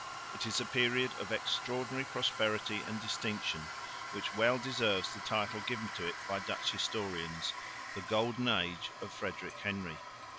It is a period of extraordinary prosperity and distinction, which well deserves the title given to it by Dutch historians "the golden age of Frederick Henry."